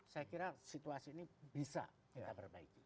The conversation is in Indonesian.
saya kira situasi ini bisa kita perbaiki